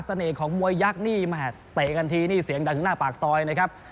ของมวยยักษ์นี่แห่เตะกันทีนี่เสียงดังถึงหน้าปากซอยนะครับ